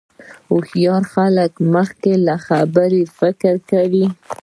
هوښیار خلک مخکې له خبرې فکر کوي.